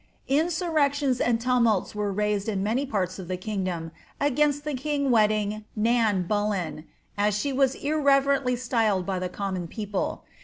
Insurrections and tumults were raised in many parts of the kingdi>m tfainst the king wedding ^ Nan Bullen," as she was irreverently styled by the common people.